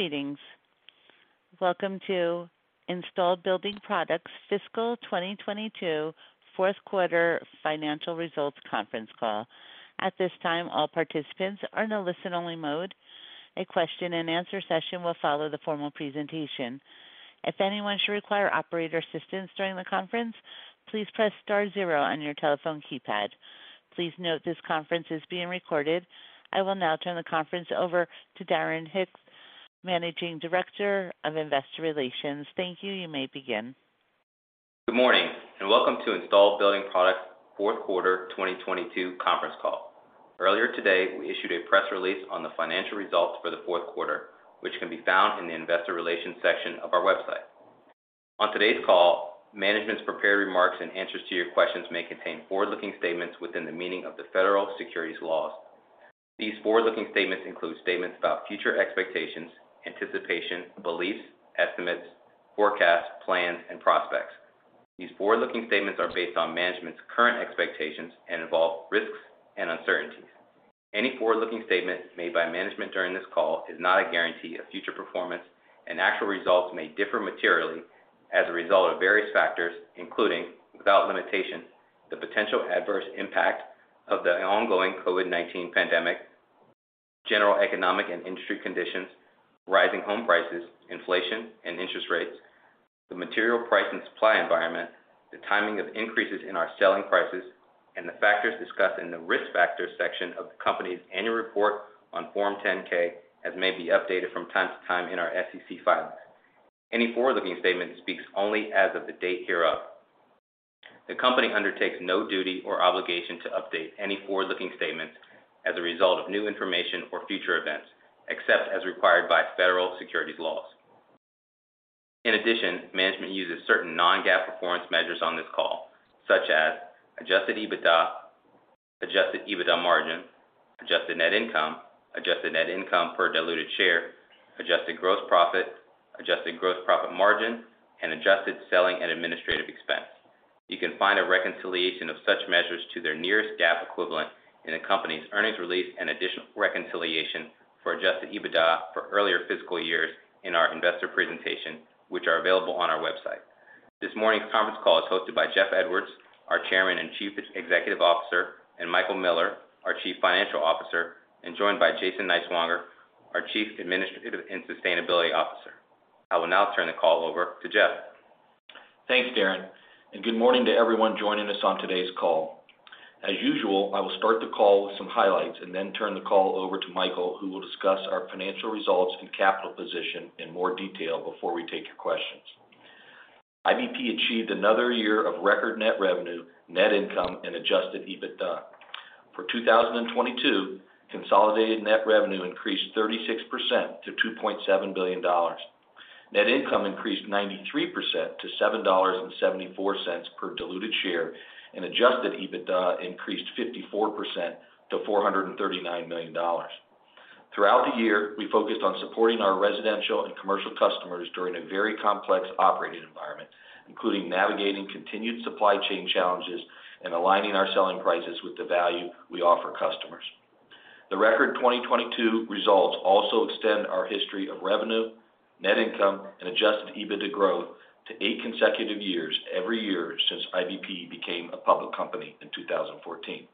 Greetings. Welcome to Installed Building Products Fiscal 2022 Fourth Quarter Financial Results Conference Call. At this time, all participants are in a listen-only mode. A question-and-answer session will follow the formal presentation. If anyone should require operator assistance during the conference, please press star zero on your telephone keypad. Please note this conference is being recorded. I will now turn the conference over to Darren Hicks, Managing Director of Investor Relations. Thank you. You may begin. Good morning. Welcome to Installed Building Products Fourth Quarter 2022 conference call. Earlier today, we issued a press release on the financial results for the fourth quarter, which can be found in the investor relations section of our website. On today's call, management's prepared remarks and answers to your questions may contain forward-looking statements within the meaning of the Federal securities laws. These forward-looking statements include statements about future expectations, anticipation, beliefs, estimates, forecasts, plans, and prospects. These forward-looking statements are based on management's current expectations and involve risks and uncertainties. Any forward-looking statement made by management during this call is not a guarantee of future performance, and actual results may differ materially as a result of various factors, including, without limitation, the potential adverse impact of the ongoing COVID-19 pandemic, general economic and industry conditions, rising home prices, inflation and interest rates, the material price and supply environment, the timing of increases in our selling prices, and the factors discussed in the Risk Factors section of the company's annual report on Form 10-K as may be updated from time to time in our SEC filings. Any forward-looking statement speaks only as of the date hereof. The company undertakes no duty or obligation to update any forward-looking statements as a result of new information or future events, except as required by Federal securities laws. In addition, management uses certain non-GAAP performance measures on this call, such as adjusted EBITDA, adjusted EBITDA margin, adjusted net income, adjusted net income per diluted share, adjusted gross profit, adjusted gross profit margin, and adjusted selling and administrative expense. You can find a reconciliation of such measures to their nearest GAAP equivalent in the company's earnings release and additional reconciliation for adjusted EBITDA for earlier fiscal years in our investor presentation, which are available on our website. This morning's conference call is hosted by Jeff Edwards, our Chairman and Chief Executive Officer, and Michael Miller, our Chief Financial Officer, and joined by Jason Niswonger, our Chief Administrative and Sustainability Officer. I will now turn the call over to Jeff. Thanks, Darren, good morning to everyone joining us on today's call. As usual, I will start the call with some highlights and then turn the call over to Michael, who will discuss our financial results and capital position in more detail before we take your questions. IBP achieved another year of record net revenue, net income, and adjusted EBITDA. For 2022, consolidated net revenue increased 36% to $2.7 billion. Net income increased 93% to $7.74 per diluted share, and adjusted EBITDA increased 54% to $439 million. Throughout the year, we focused on supporting our residential and commercial customers during a very complex operating environment, including navigating continued supply chain challenges and aligning our selling prices with the value we offer customers. The record 2022 results also extend our history of revenue, net income, and adjusted EBITDA growth to eight consecutive years every year since IBP became a public company in 2014.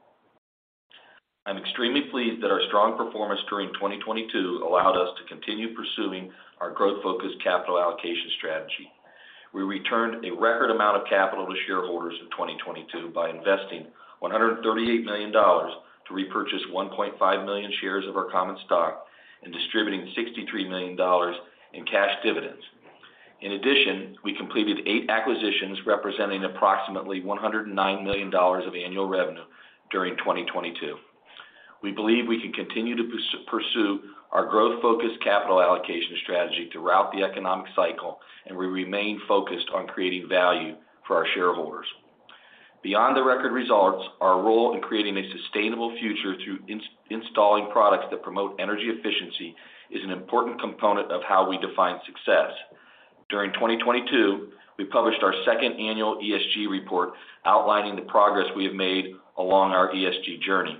I'm extremely pleased that our strong performance during 2022 allowed us to continue pursuing our growth-focused capital allocation strategy. We returned a record amount of capital to shareholders in 2022 by investing $138 million to repurchase 1.5 million shares of our common stock and distributing $63 million in cash dividends. In addition, we completed eight acquisitions representing approximately $109 million of annual revenue during 2022. We believe we can continue to pursue our growth-focused capital allocation strategy throughout the economic cycle, and we remain focused on creating value for our shareholders. Beyond the record results, our role in creating a sustainable future through installing products that promote energy efficiency is an important component of how we define success. During 2022, we published our second annual ESG report outlining the progress we have made along our ESG journey.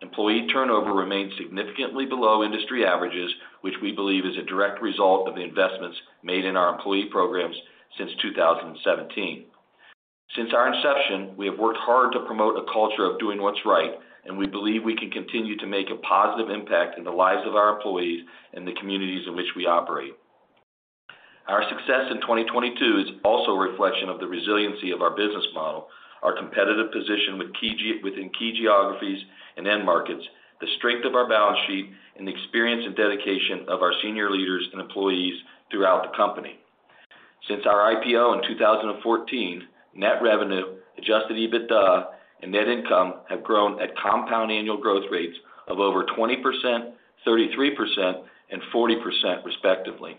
Employee turnover remains significantly below industry averages, which we believe is a direct result of the investments made in our employee programs since 2017. Since our inception, we have worked hard to promote a culture of doing what's right, and we believe we can continue to make a positive impact in the lives of our employees and the communities in which we operate. Our success in 2022 is also a reflection of the resiliency of our business model, our competitive position within key geographies and end markets, the strength of our balance sheet, and the experience and dedication of our senior leaders and employees throughout the company. Since our IPO in 2014, net revenue, adjusted EBITDA, and net income have grown at compound annual growth rates of over 20%, 33%, and 40% respectively.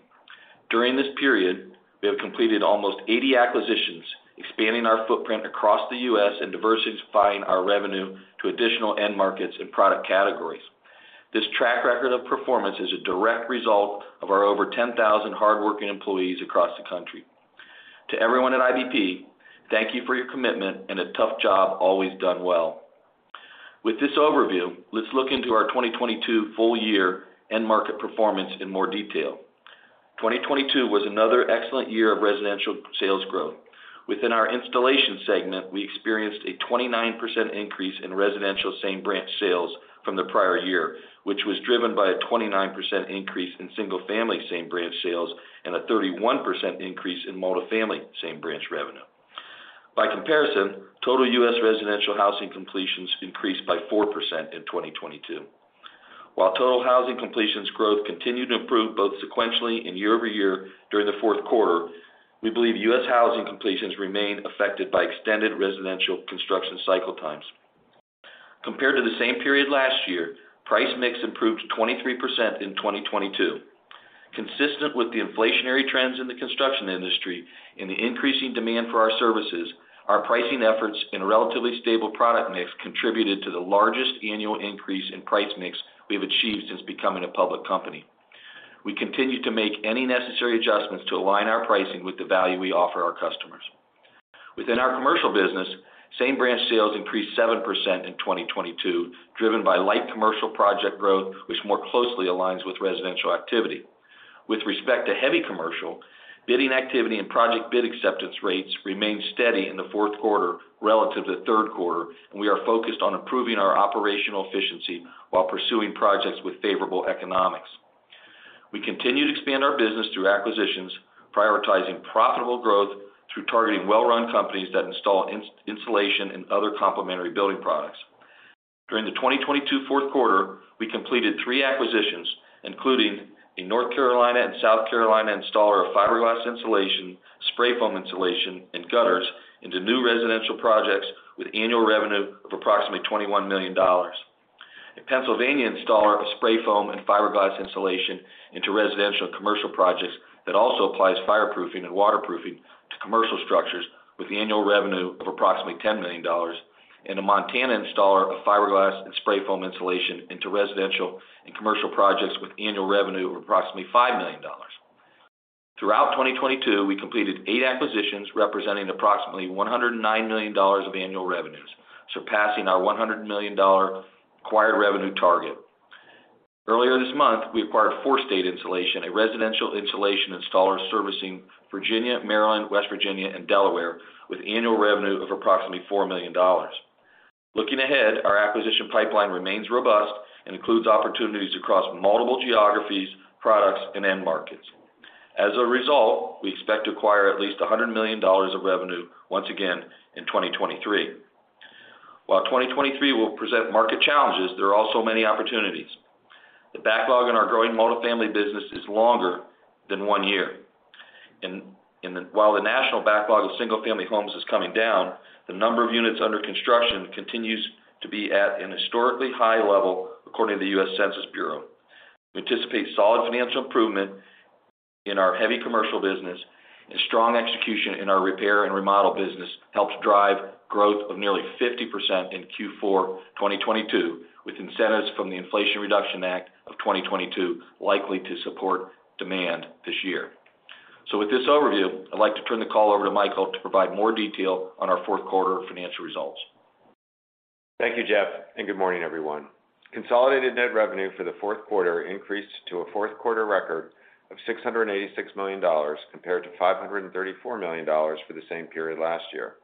During this period, we have completed almost 80 acquisitions, expanding our footprint across the U.S. and diversifying our revenue to additional end markets and product categories. This track record of performance is a direct result of our over 10,000 hardworking employees across the country. To everyone at IBP, thank you for your commitment and a tough job always done well. With this overview, let's look into our 2022 full year end market performance in more detail. 2022 was another excellent year of residential sales growth. Within our installation segment, we experienced a 29% increase in residential same branch sales from the prior year, which was driven by a 29% increase in single-family same branch sales and a 31% increase in multifamily same branch revenue. By comparison, total U.S. residential housing completions increased by 4% in 2022. While total housing completions growth continued to improve both sequentially and year-over-year during the fourth quarter, we believe U.S. housing completions remain affected by extended residential construction cycle times. Compared to the same period last year, price mix improved 23% in 2022. Consistent with the inflationary trends in the construction industry and the increasing demand for our services, our pricing efforts and relatively stable product mix contributed to the largest annual increase in price mix we have achieved since becoming a public company. We continue to make any necessary adjustments to align our pricing with the value we offer our customers. Within our commercial business, same branch sales increased 7% in 2022, driven by light commercial project growth, which more closely aligns with residential activity. With respect to heavy commercial, bidding activity and project bid acceptance rates remained steady in the fourth quarter relative to the third quarter. We are focused on improving our operational efficiency while pursuing projects with favorable economics. We continue to expand our business through acquisitions, prioritizing profitable growth through targeting well-run companies that install insulation and other complementary building products. During the 2022 fourth quarter, we completed 3 acquisitions, including a North Carolina and South Carolina installer of fiberglass insulation, spray foam insulation, and gutters into new residential projects with annual revenue of approximately $21 million. A Pennsylvania installer of spray foam and fiberglass insulation into residential and commercial projects that also applies fireproofing and waterproofing to commercial structures with annual revenue of approximately $10 million. A Montana installer of fiberglass and spray foam insulation into residential and commercial projects with annual revenue of approximately $5 million. Throughout 2022, we completed 8 acquisitions representing approximately $109 million of annual revenues, surpassing our $100 million acquired revenue target. Earlier this month, we acquired Four State Insulation, a residential insulation installer servicing Virginia, Maryland, West Virginia, and Delaware with annual revenue of approximately $4 million. Looking ahead, our acquisition pipeline remains robust and includes opportunities across multiple geographies, products, and end markets. As a result, we expect to acquire at least $100 million of revenue once again in 2023. While 2023 will present market challenges, there are also many opportunities. The backlog in our growing multifamily business is longer than 1 year. While the national backlog of single-family homes is coming down, the number of units under construction continues to be at an historically high level according to the U.S. Census Bureau. We anticipate solid financial improvement in our heavy commercial business, and strong execution in our repair and remodel business helps drive growth of nearly 50% in Q4 2022, with incentives from the Inflation Reduction Act of 2022 likely to support demand this year. With this overview, I'd like to turn the call over to Michael to provide more detail on our fourth quarter financial results. Thank you, Jeff, and good morning, everyone. Consolidated net revenue for the fourth quarter increased to a fourth quarter record of $686 million compared to $534 million for the same period last year.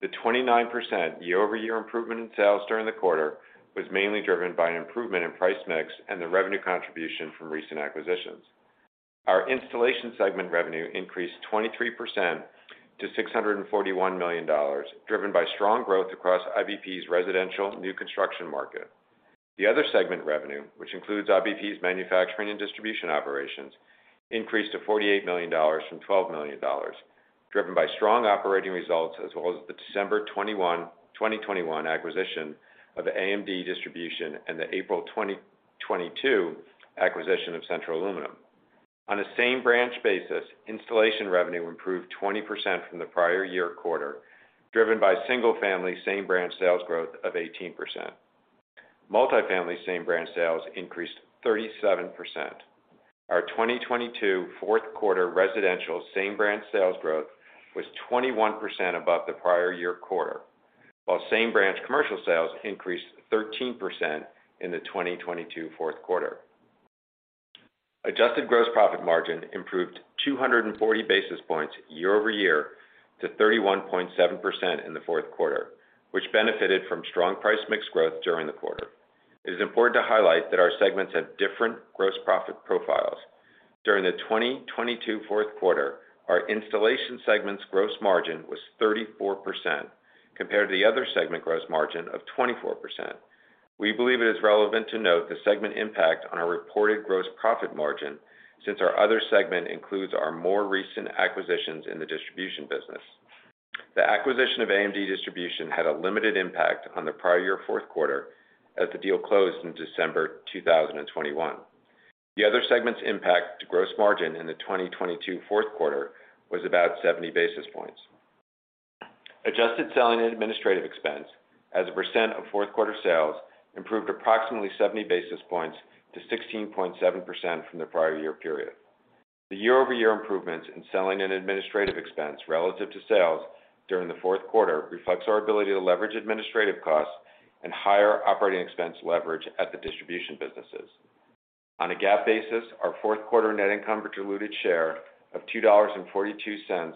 The 29% year-over-year improvement in sales during the quarter was mainly driven by an improvement in price mix and the revenue contribution from recent acquisitions. Our installation segment revenue increased 23% to $641 million, driven by strong growth across IBP's residential new construction market. The other segment revenue, which includes IBP's manufacturing and distribution operations, increased to $48 million from $12 million, driven by strong operating results as well as the December twenty-one, 2021 acquisition of AMD Distribution and the April 2022 acquisition of Central Aluminum. On a same branch basis, installation revenue improved 20% from the prior year quarter, driven by single family same branch sales growth of 18%. Multifamily same branch sales increased 37%. Our 2022 fourth quarter residential same branch sales growth was 21% above the prior year quarter. Same branch commercial sales increased 13% in the 2022 fourth quarter. Adjusted gross profit margin improved 240 basis points year-over-year to 31.7% in the fourth quarter, which benefited from strong price mix growth during the quarter. It is important to highlight that our segments have different gross profit profiles. During the 2022 fourth quarter, our installation segment's gross margin was 34% compared to the other segment gross margin of 24%. We believe it is relevant to note the segment impact on our reported gross profit margin since our other segment includes our more recent acquisitions in the distribution business. The acquisition of AMD Distribution had a limited impact on the prior year fourth quarter as the deal closed in December 2021. The other segment's impact to gross margin in the 2022 fourth quarter was about 70 basis points. Adjusted selling and administrative expense as a % of fourth quarter sales improved approximately 70 basis points to 16.7% from the prior year period. The year-over-year improvements in selling and administrative expense relative to sales during the fourth quarter reflects our ability to leverage administrative costs and higher operating expense leverage at the distribution businesses. On a GAAP basis, our fourth quarter net income per diluted share of $2.42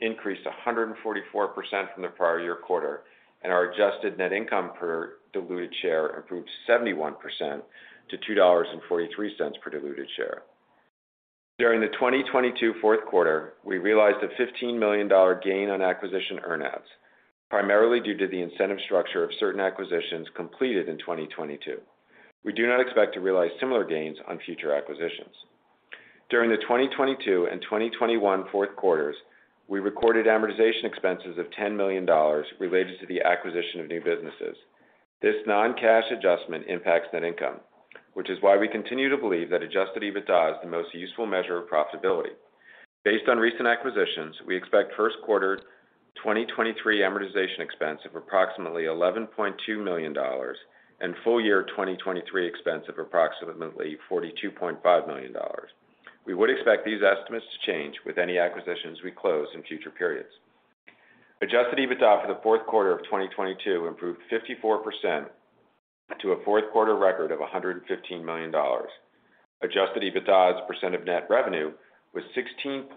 increased 144% from the prior year quarter, and our adjusted net income per diluted share improved 71% to $2.43 per diluted share. During the 2022 fourth quarter, we realized a $15 million gain on acquisition earn-outs, primarily due to the incentive structure of certain acquisitions completed in 2022. We do not expect to realize similar gains on future acquisitions. During the 2022 and 2021 fourth quarters, we recorded amortization expenses of $10 million related to the acquisition of new businesses. This non-cash adjustment impacts net income, which is why we continue to believe that adjusted EBITDA is the most useful measure of profitability. Based on recent acquisitions, we expect first quarter 2023 amortization expense of approximately $11.2 million and full year 2023 expense of approximately $42.5 million. We would expect these estimates to change with any acquisitions we close in future periods. Adjusted EBITDA for the fourth quarter of 2022 improved 54% to a fourth quarter record of $115 million. Adjusted EBITDA's % of net revenue was 16.8%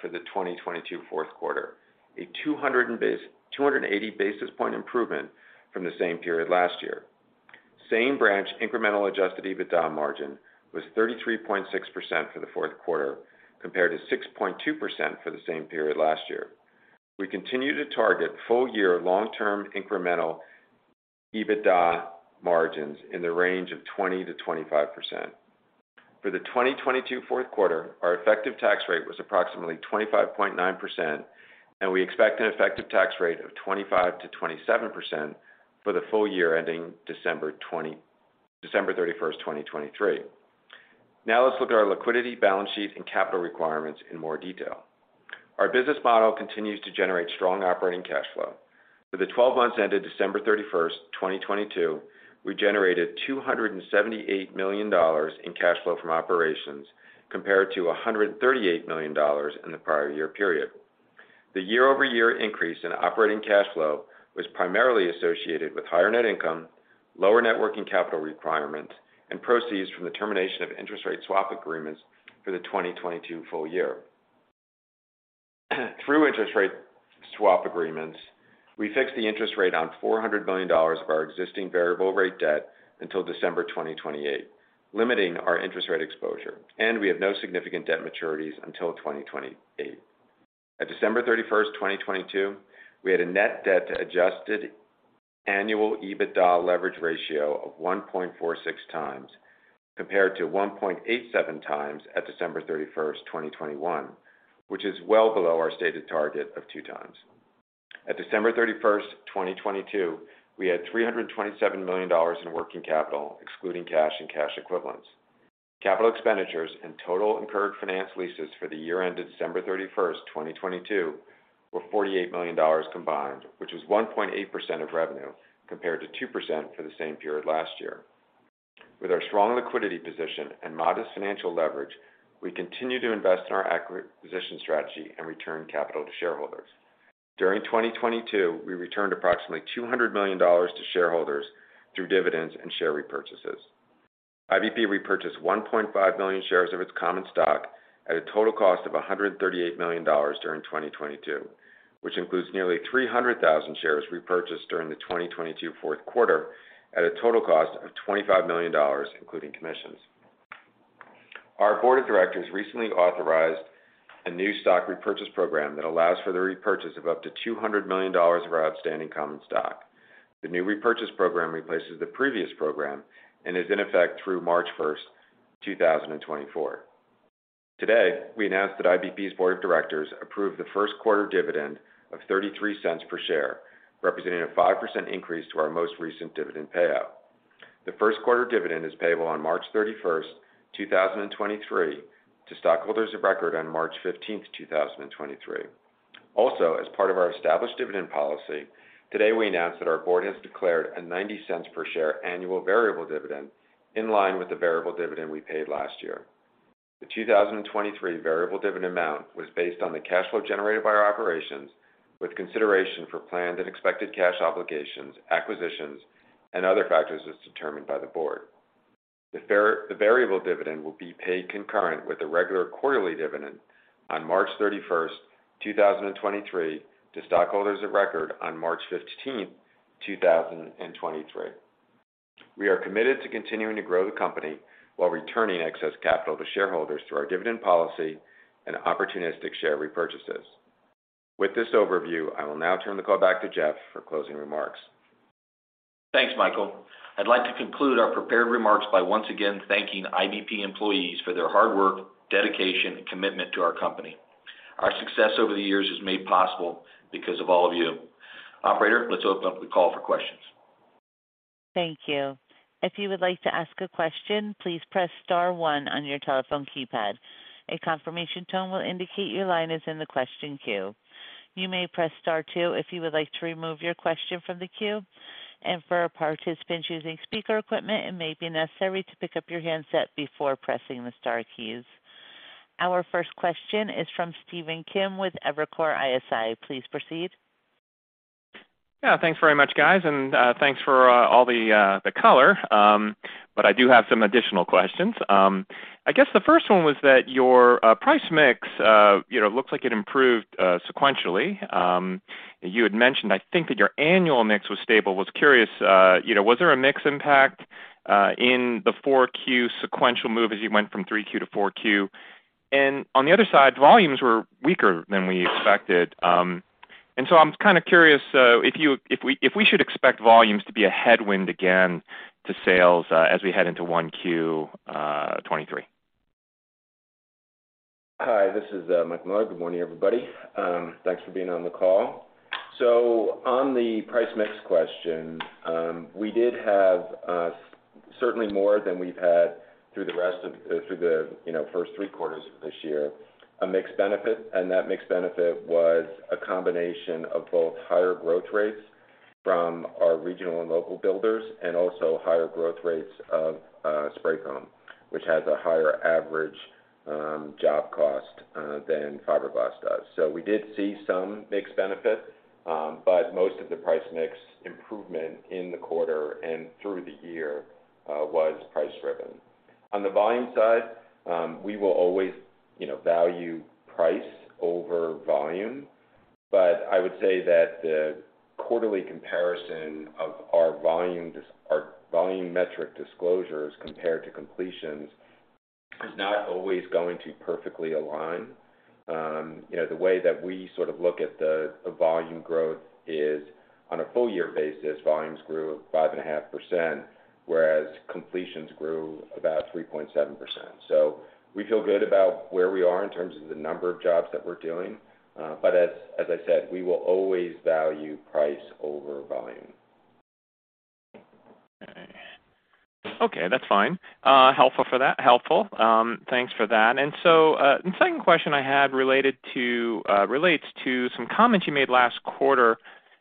for the 2022 fourth quarter, a 280 basis point improvement from the same period last year. Same branch incremental adjusted EBITDA margin was 33.6% for the fourth quarter, compared to 6.2% for the same period last year. We continue to target full year long-term incremental EBITDA margins in the range of 20%-25%. For the 2022 fourth quarter, our effective tax rate was approximately 25.9%. We expect an effective tax rate of 25%-27% for the full year ending December 31, 2023. Let's look at our liquidity, balance sheet, and capital requirements in more detail. Our business model continues to generate strong operating cash flow. For the 12 months ended December 31, 2022, we generated $278 million in cash flow from operations compared to $138 million in the prior year period. The year-over-year increase in operating cash flow was primarily associated with higher net income, lower net working capital requirements, and proceeds from the termination of interest rate swap agreements for the 2022 full year. Through interest rate swap agreements, we fixed the interest rate on $400 million of our existing variable rate debt until December 2028, limiting our interest rate exposure, and we have no significant debt maturities until 2028. At December 31, 2022, we had a net debt to adjusted annual EBITDA leverage ratio of 1.46 times compared to 1.87 times at December 31, 2021, which is well below our stated target of 2 times. At December 31, 2022, we had $327 million in working capital, excluding cash and cash equivalents. Capital expenditures and total incurred finance leases for the year ended December 31st, 2022, were $48 million combined, which was 1.8% of revenue, compared to 2% for the same period last year. With our strong liquidity position and modest financial leverage, we continue to invest in our acquisition strategy and return capital to shareholders. During 2022, we returned approximately $200 million to shareholders through dividends and share repurchases. IBP repurchased 1.5 million shares of its common stock at a total cost of $138 million during 2022, which includes nearly 300,000 shares repurchased during the 2022 fourth quarter at a total cost of $25 million, including commissions. Our board of directors recently authorized a new stock repurchase program that allows for the repurchase of up to $200 million of our outstanding common stock. The new repurchase program replaces the previous program and is in effect through March 1, 2024. Today, we announced that IBP's board of directors approved the first quarter dividend of $0.33 per share, representing a 5% increase to our most recent dividend payout. The first quarter dividend is payable on March 31, 2023, to stockholders of record on March 15, 2023. Also, as part of our established dividend policy, today we announced that our board has declared a $0.90 per share annual variable dividend in line with the variable dividend we paid last year. The 2023 variable dividend amount was based on the cash flow generated by our operations with consideration for planned and expected cash obligations, acquisitions, and other factors as determined by the board. The variable dividend will be paid concurrent with the regular quarterly dividend on March 31st, 2023, to stockholders of record on March 15th, 2023. We are committed to continuing to grow the company while returning excess capital to shareholders through our dividend policy and opportunistic share repurchases. With this overview, I will now turn the call back to Jeff for closing remarks. Thanks, Michael. I'd like to conclude our prepared remarks by once again thanking IBP employees for their hard work, dedication, and commitment to our company. Our success over the years is made possible because of all of you. Operator, let's open up the call for questions. Thank you. If you would like to ask a question, please press star one on your telephone keypad. A confirmation tone will indicate your line is in the question queue. You may press star two if you would like to remove your question from the queue. For participants using speaker equipment, it may be necessary to pick up your handset before pressing the star keys. Our first question is from Stephen Kim with Evercore ISI. Please proceed. Yeah. Thanks very much, guys, and thanks for all the the color. I do have some additional questions. I guess the first one was that your price mix, you know, looks like it improved sequentially. You had mentioned, I think, that your annual mix was stable. Was curious, you know, was there a mix impact in the 4Q sequential move as you went from 3Q to 4Q? On the other side, volumes were weaker than we expected. I'm kind of curious, if we should expect volumes to be a headwind again to sales, as we head into 1Q, 2023. Hi, this is Mike Miller. Good morning, everybody. Thanks for being on the call. On the price mix question, we did have certainly more than we've had through the, you know, first three quarters of this year, a mixed benefit, and that mixed benefit was a combination of both higher growth rates from our regional and local builders, and also higher growth rates of spray foam, which has a higher average job cost than fiberglass does. We did see some mixed benefit, but most of the price mix improvement in the quarter and through the year was price driven. On the volume side, we will always, you know, value price over volume. I would say that the quarterly comparison of our volume metric disclosures compared to completions is not always going to perfectly align. you know, the way that we sort of look at the volume growth is on a full year basis, volumes grew 5.5%, whereas completions grew about 3.7%. We feel good about where we are in terms of the number of jobs that we're doing. but as I said, we will always value price over volume. Okay. That's fine. Helpful for that. Helpful. Thanks for that. The second question I had related to, relates to some comments you made last quarter.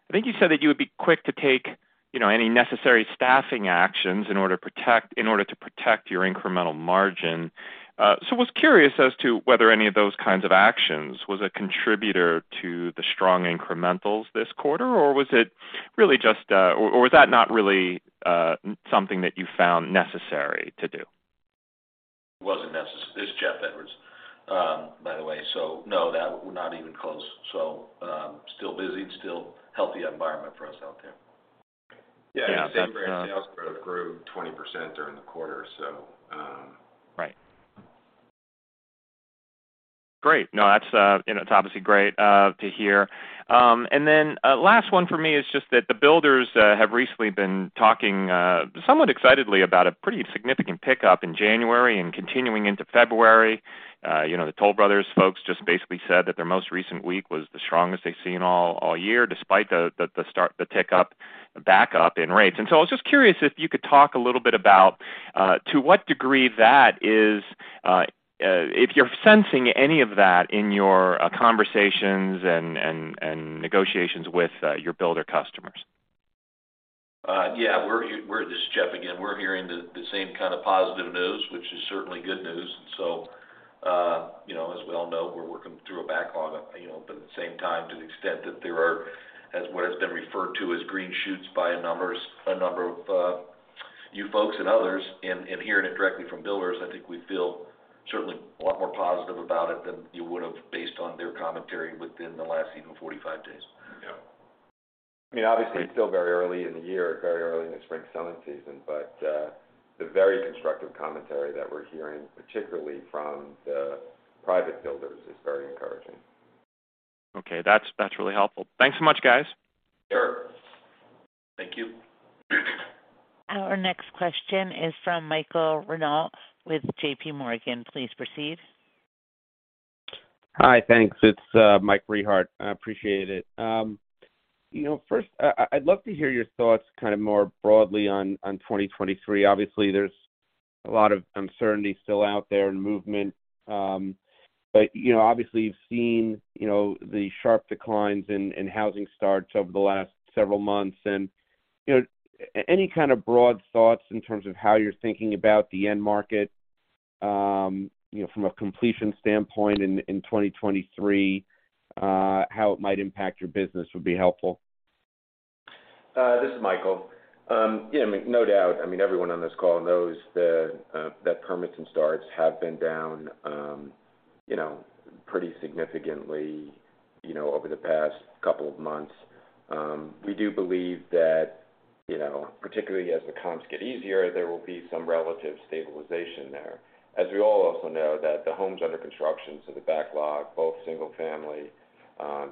I think you said that you would be quick to take, you know, any necessary staffing actions in order to protect your incremental margin. Was curious as to whether any of those kinds of actions was a contributor to the strong incrementals this quarter, or was that not really something that you found necessary to do? This is Jeffrey Edwards, by the way. No, that we're not even close. Still busy, still healthy environment for us out there. Yeah. That's. Yeah. Same branch sales growth grew 20% during the quarter. Right. Great. No, that's, you know, it's obviously great to hear. Last one for me is just that the builders have recently been talking somewhat excitedly about a pretty significant pickup in January and continuing into February. You know, the Toll Brothers folks just basically said that their most recent week was the strongest they've seen all year, despite the tick up back up in rates. I was just curious if you could talk a little bit about to what degree that is, if you're sensing any of that in your conversations and negotiations with your builder customers. Yeah. This is Jeff again. We're hearing the same kind of positive news, which is certainly good news. You know, as we all know, we're working through a backlog, you know, but at the same time, to the extent that there are, as what has been referred to as green shoots by a number of you folks and others. Hearing it directly from builders, I think we feel certainly a lot more positive about it than you would have based on their commentary within the last even 45 days. Yeah. I mean, obviously it's still very early in the year, very early in the spring selling season, but the very constructive commentary that we're hearing, particularly from the private builders, is very encouraging. Okay. That's really helpful. Thanks so much, guys. Sure. Thank you. Our next question is from Michael Rehaut with J.P. Morgan. Please proceed. Hi. Thanks. It's Michael Rehaut. I appreciate it. you know, first, I'd love to hear your thoughts kind of more broadly on 2023. Obviously, there's a lot of uncertainty still out there and movement, but, you know, obviously you've seen, you know, the sharp declines in housing starts over the last several months. you know, any kind of broad thoughts in terms of how you're thinking about the end market, you know, from a completion standpoint in 2023, how it might impact your business would be helpful. This is Michael. Yeah, I mean, no doubt. I mean, everyone on this call knows that permits and starts have been down, you know, pretty significantly, you know, over the past couple of months. We do believe that, you know, particularly as the comps get easier, there will be some relative stabilization there. As we all also know that the homes under construction, so the backlog, both single family,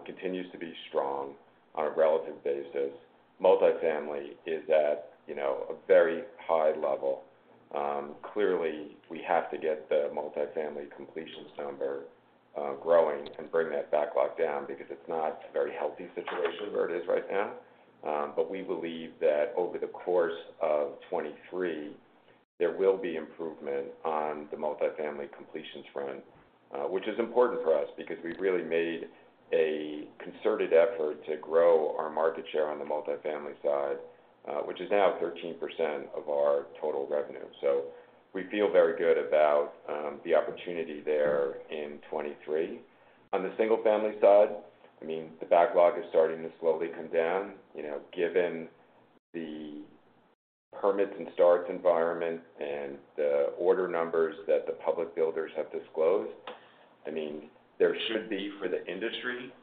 continues to be strong on a relative basis. Multifamily is at, you know, a very high level. Clearly, we have to get the multifamily completions number growing and bring that backlog down because it's not a very healthy situation where it is right now. We believe that over the course of 2023, there will be improvement on the multifamily completions front, which is important for us because we've really made a concerted effort to grow our market share on the multifamily side, which is now 13% of our total revenue. We feel very good about the opportunity there in 2023. On the single family side, I mean, the backlog is starting to slowly come down, you know, given the permits and starts environment and the order numbers that the public builders have disclosed. I mean, there should be, for the industry,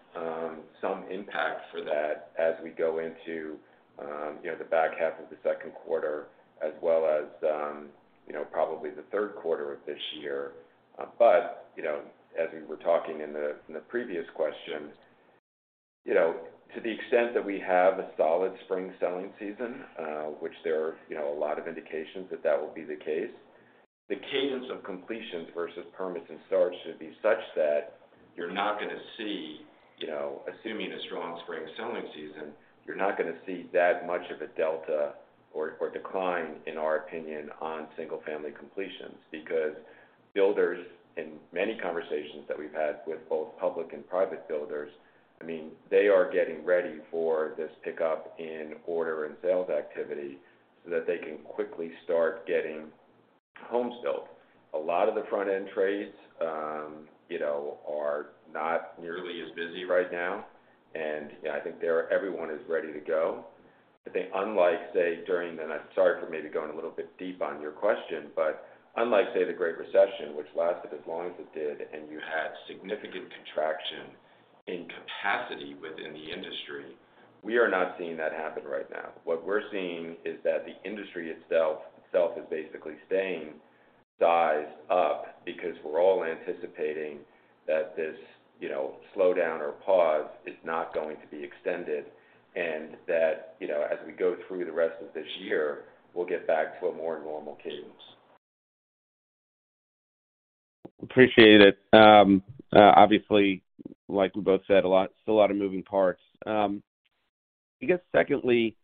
some impact for that as we go into, you know, the back half of the second quarter as well as, you know, probably the third quarter of this year. You know, as we were talking in the, in the previous question, you know, to the extent that we have a solid spring selling season, which there are, you know, a lot of indications that that will be the case, the cadence of completions versus permits and starts should be such that you're not gonna see, you know, assuming a strong spring selling season, you're not gonna see that much of a delta or decline, in our opinion, on single family completions. Builders, in many conversations that we've had with both public and private builders, I mean, they are getting ready for this pickup in order and sales activity so that they can quickly start getting homes built. A lot of the front-end trades, you know, are not nearly as busy right now, and, you know, I think there everyone is ready to go. I think unlike, say, I'm sorry for maybe going a little bit deep on your question, but unlike, say, the Great Recession, which lasted as long as it did, and you had significant contraction in capacity within the industry, we are not seeing that happen right now. What we're seeing is that the industry itself is basically staying sized up because we're all anticipating that this, you know, slowdown or pause is not going to be extended, that, you know, as we go through the rest of this year, we'll get back to a more normal cadence. Appreciate it. Obviously, like we both said, still a lot of moving parts. I guess secondly,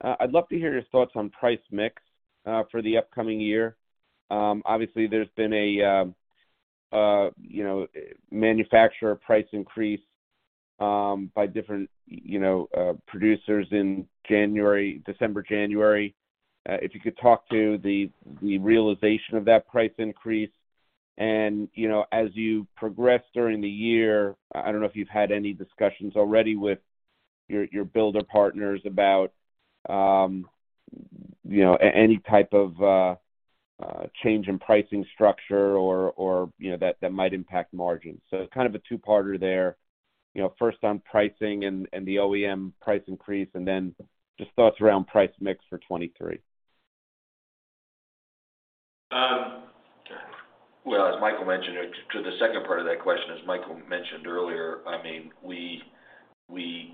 I'd love to hear your thoughts on price mix for the upcoming year. Obviously there's been a, you know, manufacturer price increase by different, you know, producers in January, December, January. If you could talk to the realization of that price increase. You know, as you progress during the year, I don't know if you've had any discussions already with your builder partners about, you know, any type of change in pricing structure or, you know, that might impact margins. Kind of a two-parter there, you know, first on pricing and the OEM price increase, and then just thoughts around price mix for 23. Well, as Michael mentioned, to the second part of that question, as Michael mentioned earlier, I mean, we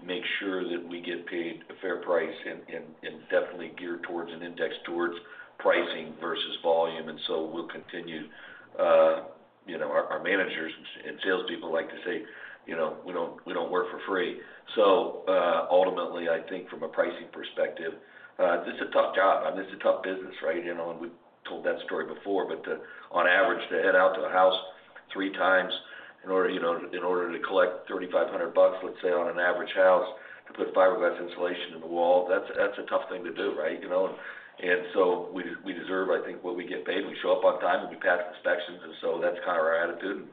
make sure that we get paid a fair price and, and definitely geared towards an index towards pricing versus volume, we'll continue. You know, our managers and salespeople like to say, you know, "We don't, we don't work for free." Ultimately, I think from a pricing perspective, this is a tough job. I mean, this is a tough business, right? You know, we've told that story before, but to, on average, to head out to a house 3 times in order, you know, in order to collect $3,500, let's say, on an average house to put fiberglass insulation in the wall, that's a tough thing to do, right? You know, we deserve, I think, what we get paid. We show up on time, and we pass inspections, and so that's kind of our attitude.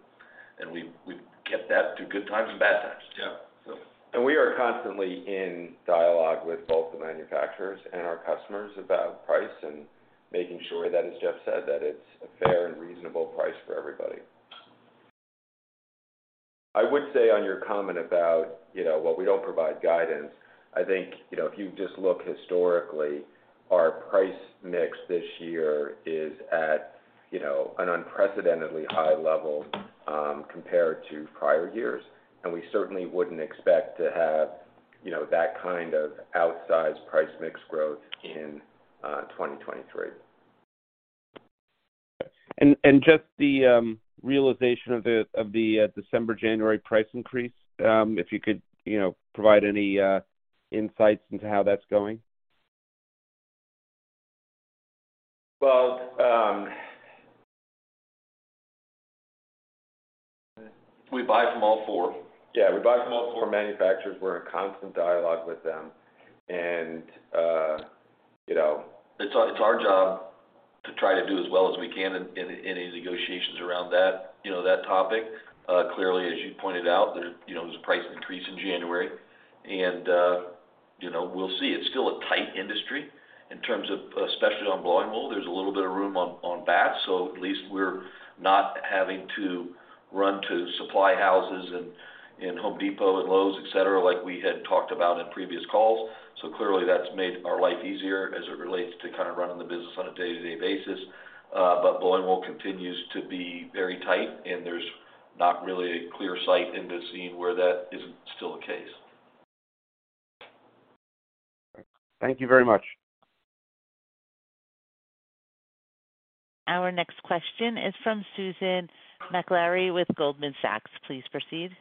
We've kept that through good times and bad times. Yeah. We are constantly in dialogue with both the manufacturers and our customers about price and making sure that, as Jeff said, that it's a fair and reasonable price for everybody. I would say on your comment about, you know, while we don't provide guidance, I think, you know, if you just look historically, our price mix this year is at, you know, an unprecedentedly high level, compared to prior years. We certainly wouldn't expect to have, you know, that kind of outsized price mix growth in 2023. Just the realization of the December, January price increase, if you could, you know, provide any insights into how that's going? Well, we buy from all four. Yeah, we buy from all four manufacturers. We're in constant dialogue with them and, you know. It's our job to try to do as well as we can in any negotiations around that, you know, that topic. Clearly, as you pointed out, there, you know, there was a price increase in January and, you know, we'll see. It's still a tight industry in terms of, especially on blowing wool. There's a little bit of room on batts, so at least we're not having to run to supply houses and Home Depot and Lowe's, et cetera, like we had talked about in previous calls. Clearly, that's made our life easier as it relates to kind of running the business on a day-to-day basis. Blowing wool continues to be very tight, and there's not really a clear sight into seeing where that isn't still the case. Thank you very much. Our next question is from Susan Maklari with Goldman Sachs. Please proceed.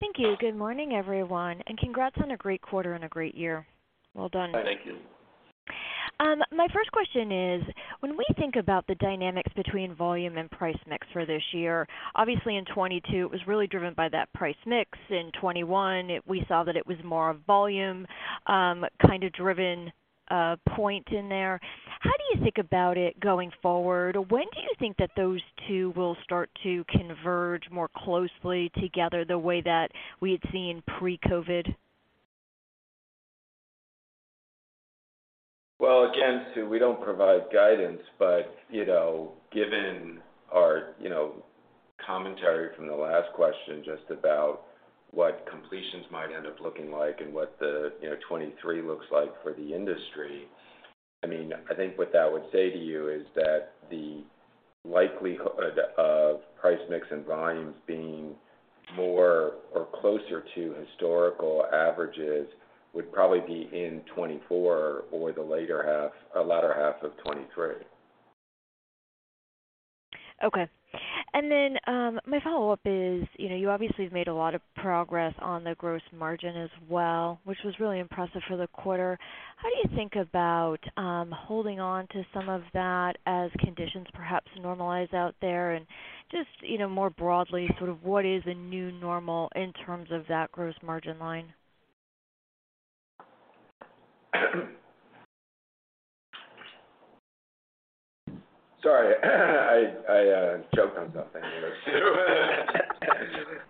Thank you. Good morning, everyone, and congrats on a great quarter and a great year. Well done. Thank you. My first question is, when we think about the dynamics between volume and price mix for this year, obviously in 2022 it was really driven by that price mix. In 2021, we saw that it was more of volume, kind of driven, point in there. How do you think about it going forward? When do you think that those two will start to converge more closely together the way that we had seen pre-COVID? Again, Susan Maklari, we don't provide guidance, you know, given our, you know, commentary from the last question just about what completions might end up looking like and what the, you know, 2023 looks like for the industry. I mean, I think what that would say to you is that the likelihood of price mix and volumes being more or closer to historical averages would probably be in 2024 or the latter half of 2023. Okay. My follow-up is, you know, you obviously have made a lot of progress on the gross margin as well, which was really impressive for the quarter. How do you think about holding on to some of that as conditions perhaps normalize out there? You know, more broadly, sort of what is a new normal in terms of that gross margin line? Sorry, I choked on something.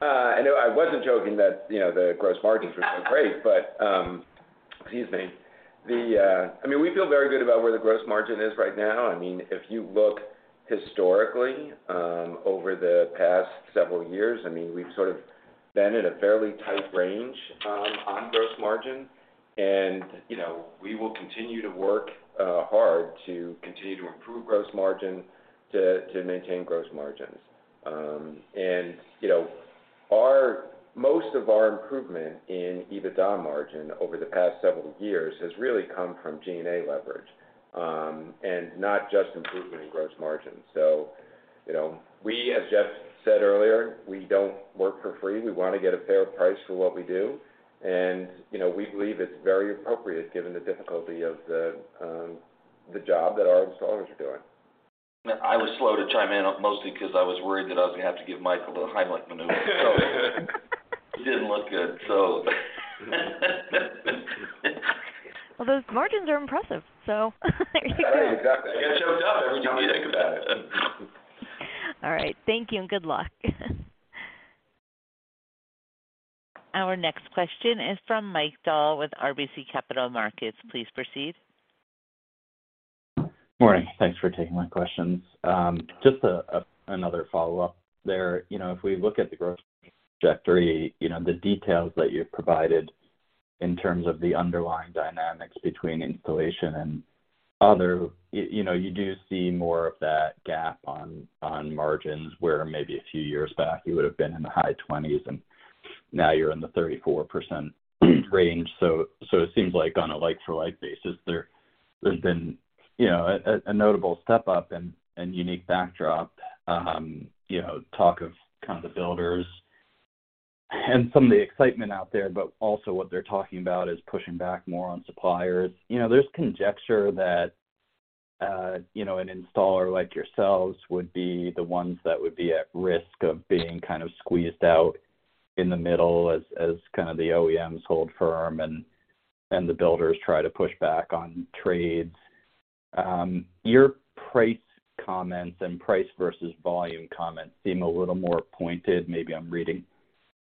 No, I wasn't joking that, you know, the gross margins were so great, but excuse me. I mean, we feel very good about where the gross margin is right now. I mean, if you look historically, over the past several years, I mean, we've sort of been in a fairly tight range on gross margin. You know, we will continue to work hard to continue to improve gross margin to maintain gross margins. You know, most of our improvement in EBITDA margin over the past several years has really come from G&A leverage, and not just improvement in gross margin. You know, we, as Jeff said earlier, we don't work for free. We want to get a fair price for what we do. You know, we believe it's very appropriate given the difficulty of the job that our installers are doing. I was slow to chime in, mostly 'cause I was worried that I was gonna have to give Michael the Heimlich maneuver. It didn't look good, so. Well, those margins are impressive, so. Exactly. I get choked up every time you think about it. All right. Thank you, and good luck. Our next question is from Mike Dahl with RBC Capital Markets. Please proceed. Morning. Thanks for taking my questions. Just another follow-up there. You know, if we look at the gross trajectory, you know, the details that you've provided in terms of the underlying dynamics between installation and other, you know, you do see more of that gap on margins, where maybe a few years back you would've been in the high 20s and now you're in the 34% range. It seems like on a like for like basis there's been a notable step up and unique backdrop. You know, talk of kind of the builders and some of the excitement out there, but also what they're talking about is pushing back more on suppliers. You know, there's conjecture that, you know, an installer like yourselves would be the ones that would be at risk of being kind of squeezed out in the middle as kind of the OEMs hold firm and the builders try to push back on trades. Your price comments and price versus volume comments seem a little more pointed. Maybe I'm reading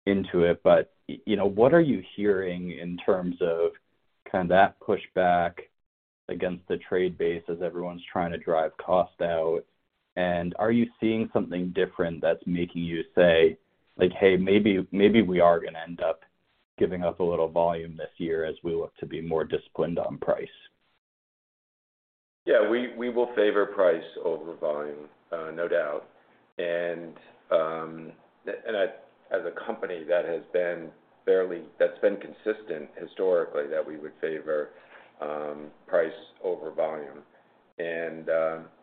into it, but, you know, what are you hearing in terms of kind of that pushback against the trade base as everyone's trying to drive cost out? Are you seeing something different that's making you say like, "Hey, maybe we are gonna end up giving up a little volume this year as we look to be more disciplined on price"? Yeah. We will favor price over volume, no doubt. as a company that's been consistent historically that we would favor price over volume.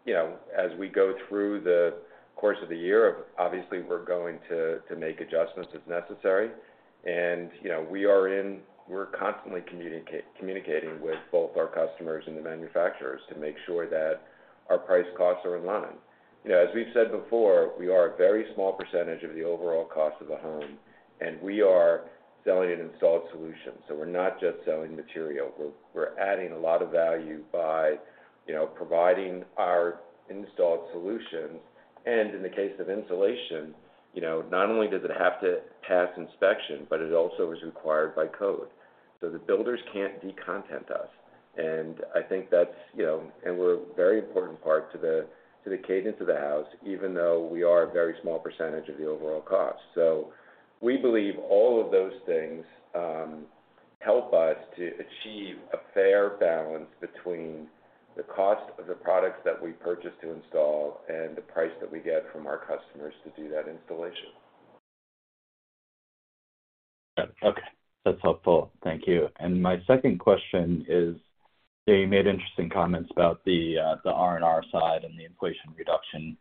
you know, as we go through the course of the year, obviously we're going to make adjustments as necessary. you know, We're constantly communicating with both our customers and the manufacturers to make sure that our price costs are in line. You know, as we've said before, we are a very small percentage of the overall cost of a home, and we are selling an installed solution. We're not just selling material. We're adding a lot of value by, you know, providing our installed solutions. in the case of installation, you know, not only does it have to pass inspection, but it also is required by code. The builders can't de-content us, and I think that's, you know. We're a very important part to the, to the cadence of the house, even though we are a very small % of the overall cost. We believe all of those things help us to achieve a fair balance between the cost of the products that we purchase to install and the price that we get from our customers to do that installation. Okay. That's helpful. Thank you. My second question is. They made interesting comments about the R&R side and the Inflation Reduction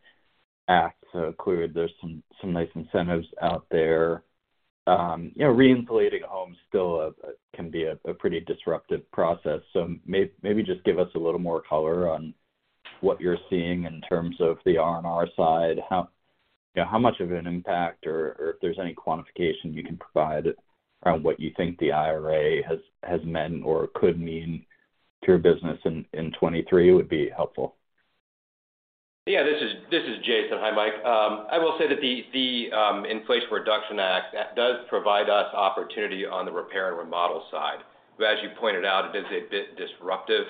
Act. Clearly, there's some nice incentives out there. You know, re-insulating homes still can be a pretty disruptive process. Maybe just give us a little more color on what you're seeing in terms of the R&R side. How, you know, how much of an impact or if there's any quantification you can provide around what you think the IRA has meant or could mean to your business in 2023 would be helpful. Yeah, this is Jason. Hi, Mike. I will say that the Inflation Reduction Act does provide us opportunity on the repair and remodel side. As you pointed out, it is a bit disruptive.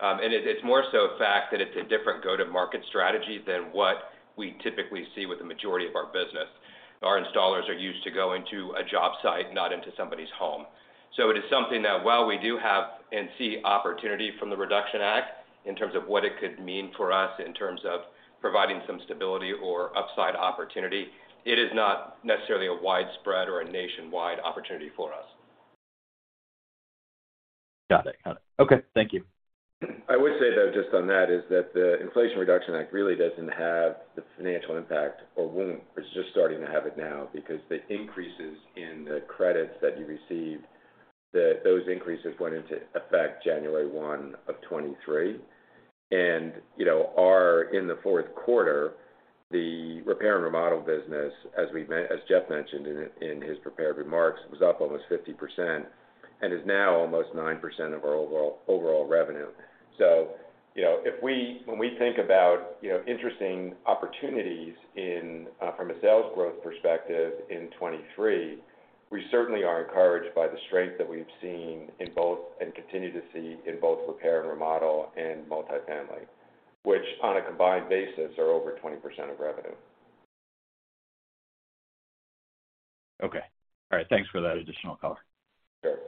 It's more so a fact that it's a different go-to-market strategy than what we typically see with the majority of our business. Our installers are used to going to a job site, not into somebody's home. It is something that while we do have and see opportunity from the Reduction Act in terms of what it could mean for us in terms of providing some stability or upside opportunity, it is not necessarily a widespread or a nationwide opportunity for us. Got it. Got it. Okay, thank you. I would say, though, just on that, is that the Inflation Reduction Act really doesn't have the financial impact or won't. It's just starting to have it now because the increases in the credits that you receive, those increases went into effect January 1, 2023. You know, in the fourth quarter, the repair and remodel business, as Jeff mentioned in his prepared remarks, was up almost 50% and is now almost 9% of our overall revenue. You know, if when we think about, you know, interesting opportunities from a sales growth perspective in 2023, we certainly are encouraged by the strength that we've seen in both and continue to see in both repair and remodel and multifamily, which on a combined basis are over 20% of revenue. Okay. All right. Thanks for that additional color. Sure.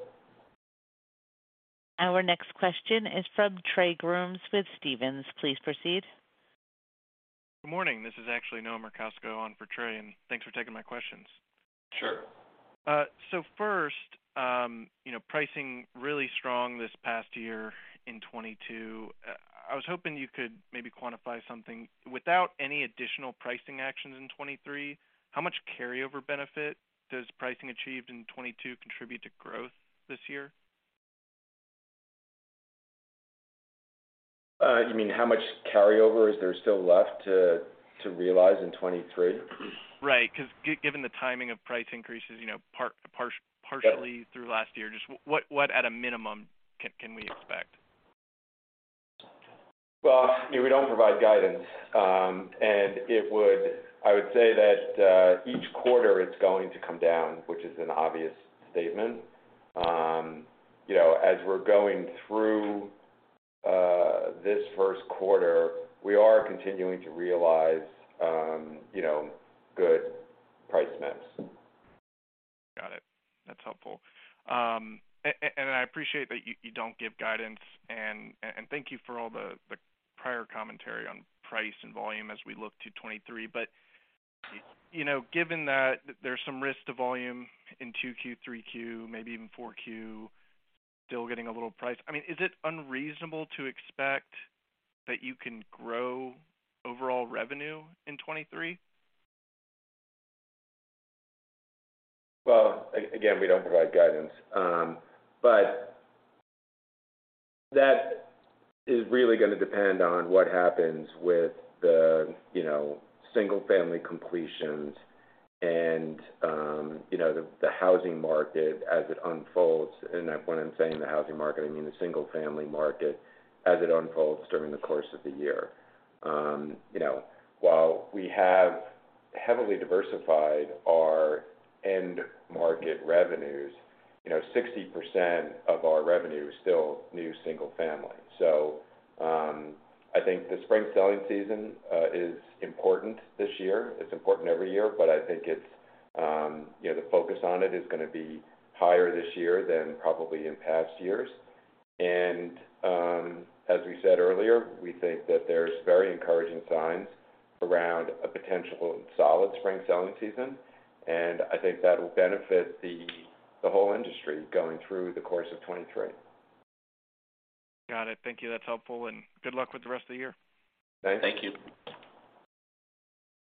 Our next question is from Trey Grooms with Stephens. Please proceed. Good morning. This is actually Noah Merkousko on for Trey, and thanks for taking my questions. Sure. First, you know, pricing really strong this past year in 2022. I was hoping you could maybe quantify something. Without any additional pricing actions in 2023, how much carryover benefit does pricing achieved in 2022 contribute to growth this year? You mean how much carryover is there still left to realize in 2023? Right. Because given the timing of price increases, you know, partially through last year, just what at a minimum can we expect? Well, you know, we don't provide guidance, and I would say that each quarter it's going to come down, which is an obvious statement. you know, as we're going through this first quarter, we are continuing to realize, you know, good price mix. Got it. That's helpful. And I appreciate that you don't give guidance, and thank you for all the prior commentary on price and volume as we look to 2023. You know, given that there's some risk to volume in 2Q, 3Q, maybe even 4Q, still getting a little price. I mean, is it unreasonable to expect that you can grow overall revenue in 2023? Well, again, we don't provide guidance. That is really gonna depend on what happens with the, you know, single-family completions and, you know, the housing market as it unfolds. When I'm saying the housing market, I mean, the single-family market as it unfolds during the course of the year. You know, while we have heavily diversified our end market revenues, you know, 60% of our revenue is still new single family. I think the spring selling season is important this year. It's important every year, but I think it's, you know, the focus on it is gonna be higher this year than probably in past years. As we said earlier, we think that there's very encouraging signs around a potential solid spring selling season, and I think that will benefit the whole industry going through the course of 2023. Got it. Thank you. That's helpful. Good luck with the rest of the year. Thank you.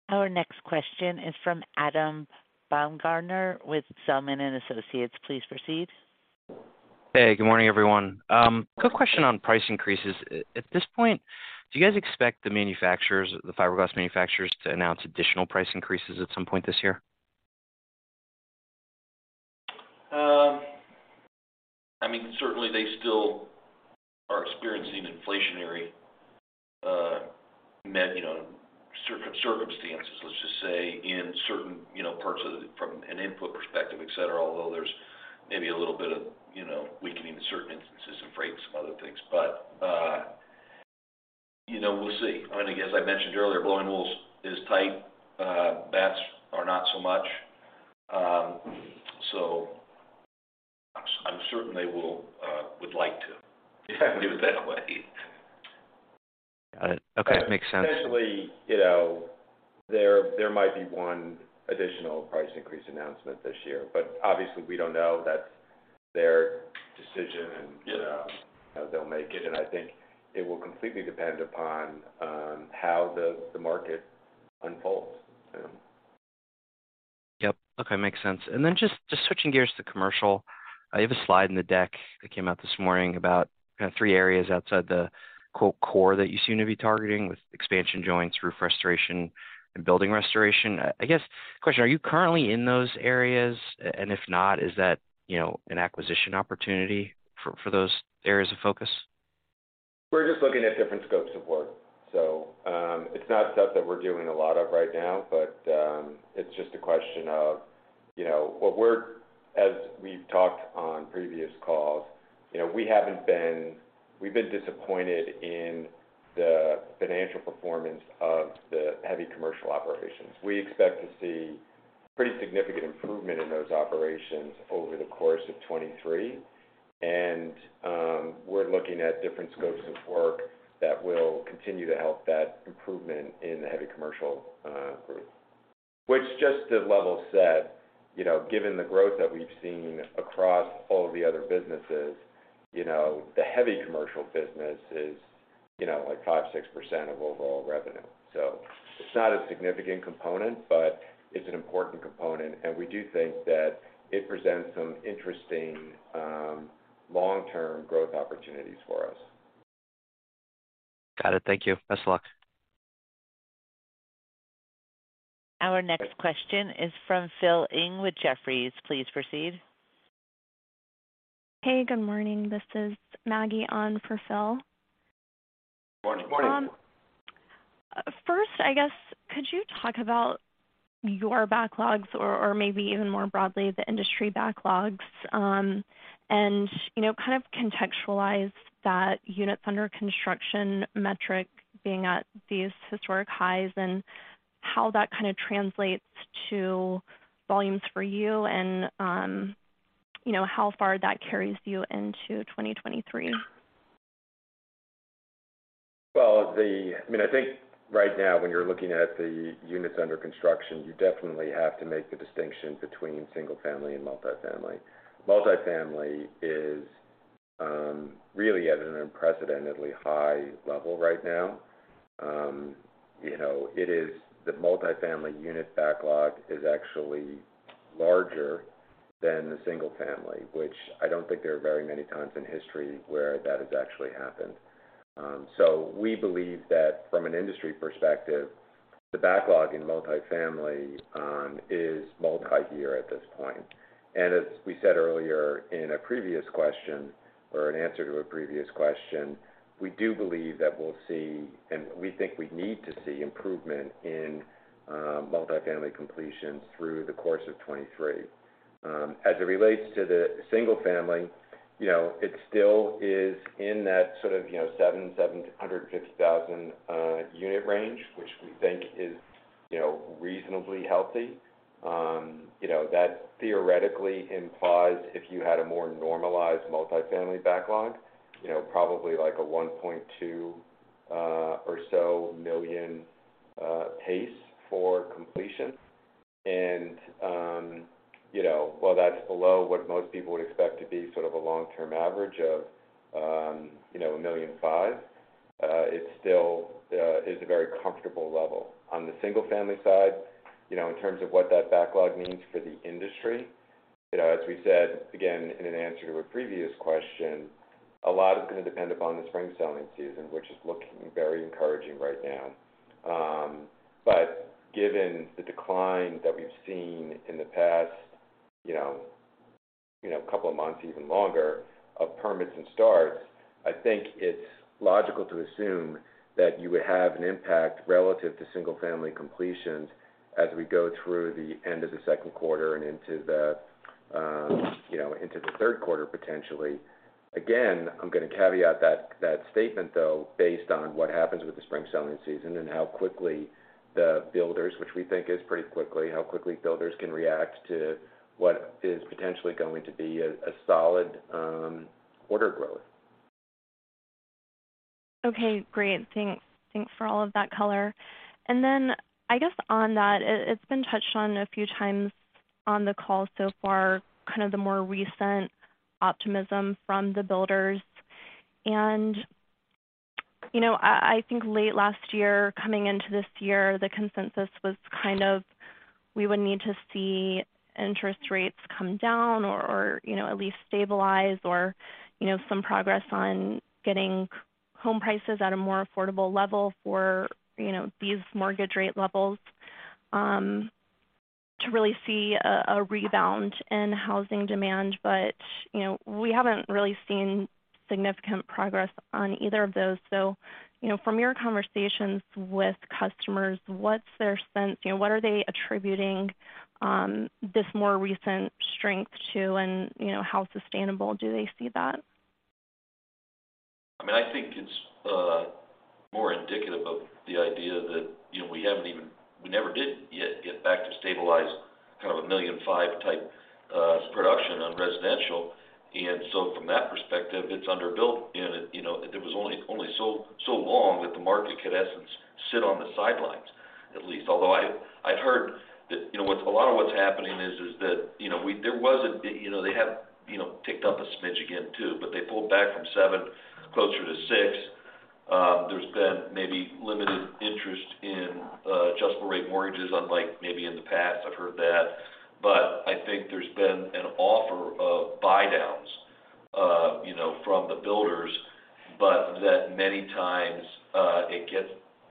Our next question is from Adam Baumgarten with Zelman & Associates. Please proceed. Hey, good morning, everyone. Quick question on price increases. At this point, do you guys expect the manufacturers, the fiberglass manufacturers to announce additional price increases at some point this year? I mean, certainly they still are experiencing inflationary, you know, circumstances, let's just say, in certain, you know, from an input perspective, et cetera, although there's maybe a little bit of, you know, weakening in certain instances and freight and some other things. You know, we'll see. I mean, as I mentioned earlier, blowing wools is tight. Batts are not so much. So I'm certain they will, would like to do that. Okay, makes sense. Potentially, you know, there might be one additional price increase announcement this year. Obviously we don't know. That's their decision. You know, they'll make it. I think it will completely depend upon how the market unfolds. Yeah. Yep. Okay. Makes sense. Then just switching gears to commercial. I have a slide in the deck that came out this morning about kind of three areas outside the quote core that you seem to be targeting with expansion joints, roof restoration, and building restoration. I guess question, are you currently in those areas? If not, is that, you know, an acquisition opportunity for those areas of focus? We're just looking at different scopes of work. It's not stuff that we're doing a lot of right now, it's just a question of, you know, as we've talked on previous calls, you know, we've been disappointed in the financial performance of the heavy commercial operations. We expect to see pretty significant improvement in those operations over the course of 2023. We're looking at different scopes of work that will continue to help that improvement in the heavy commercial group. Which just to level set, you know, given the growth that we've seen across all of the other businesses, you know, the heavy commercial business is, you know, like 5%, 6% of overall revenue. It's not a significant component, but it's an important component, and we do think that it presents some interesting, long-term growth opportunities for us. Got it. Thank you. Best of luck. Our next question is from Phil Ng with Jefferies. Please proceed. Hey, good morning. This is Maggie on for Phil. Morning. first, I guess could you talk about your backlogs or maybe even more broadly, the industry backlogs, and, you know, kind of contextualize that units under construction metric being at these historic highs and how that kind of translates to volumes for you and, you know, how far that carries you into 2023? Well, I mean, I think right now, when you're looking at the units under construction, you definitely have to make the distinction between single family and multifamily. Multifamily is really at an unprecedentedly high level right now. you know, it is the multifamily unit backlog is actually larger than the single family, which I don't think there are very many times in history where that has actually happened. We believe that from an industry perspective, the backlog in multifamily is multi-year at this point. As we said earlier in a previous question or an answer to a previous question, we do believe that we'll see, and we think we need to see improvement in multifamily completions through the course of 2023. As it relates to the single family, you know, it still is in that sort of, you know, 750,000 unit range, which we think is, you know, reasonably healthy. You know, that theoretically implies if you had a more normalized multifamily backlog, you know, probably like a 1.2 or so million pace for completion. You know, while that's below what most people would expect to be sort of a long-term average of, you know, 1.5 million, it's still is a very comfortable level. On the single family side, you know, in terms of what that backlog means for the industry, you know, as we said again in an answer to a previous question, a lot is gonna depend upon the spring selling season, which is looking very encouraging right now. Given the decline that we've seen in the past, you know, couple of months, even longer, of permits and starts, I think it's logical to assume that you would have an impact relative to single family completions as we go through the end of the 2nd quarter and into the, you know, into the 3rd quarter, potentially. Again, I'm gonna caveat that statement, though, based on what happens with the spring selling season and how quickly the builders, which we think is pretty quickly, how quickly builders can react to what is potentially going to be a solid order growth. Okay, great. Thanks. Thanks for all of that color. I guess on that, it's been touched on a few times on the call so far, kind of the more recent optimism from the builders. You know, I think late last year coming into this year, the consensus was kind of, we would need to see interest rates come down or, you know, at least stabilize or, you know, some progress on getting home prices at a more affordable level for, you know, these mortgage rate levels, to really see a rebound in housing demand. You know, we haven't really seen significant progress on either of those. You know, from your conversations with customers, what's their sense? You know, what are they attributing this more recent strength to? You know, how sustainable do they see that? I mean, I think it's, more indicative. The idea that we haven't even we never did yet get back to stabilize kind of a $1.5 million type production on residential. From that perspective, it's underbuilt, and there was only so long that the market could, in essence, sit on the sidelines, at least. Although I'd heard that a lot of what's happening is that they have ticked up a smidge again too, but they pulled back from 7 closer to 6. There's been maybe limited interest in adjustable rate mortgages, unlike maybe in the past, I've heard that. I think there's been an offer of buy downs, you know, from the builders, but that many times, it gets